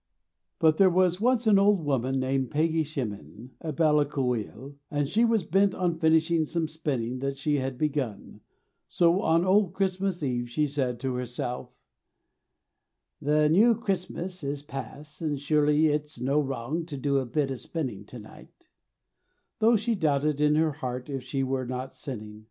But there was once an old woman named Peggy Shimmin, at Ballacooil, and she was bent on finishing some spinning that she had begun, so on Old Christmas Eve she said to herself: 'The New Christmas is pas' an' surely it's no wrong to do a bit o' spinning to night,' though she doubted in her heart if she were not sinning.